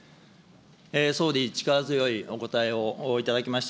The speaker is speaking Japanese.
総理、力強いお答えをいただきました。